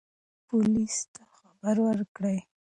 پولیس ته خبر ورکړئ.